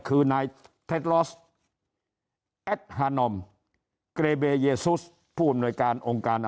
คือนายเท็จลอสแอดฮานอมเกรเบเยซุสผู้อำนวยการองค์การ